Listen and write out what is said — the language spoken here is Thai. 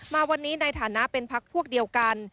มาวันนี้ในฐานะเป็นพักพวกเดียวกัน